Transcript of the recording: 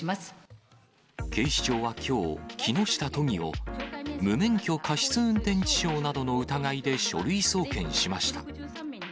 警視庁はきょう、木下都議を、無免許過失運転致傷などの疑いで書類送検しました。